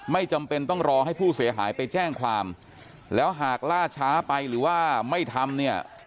จำเป็นต้องรอให้ผู้เสียหายไปแจ้งความแล้วหากล่าช้าไปหรือว่าไม่ทำเนี่ย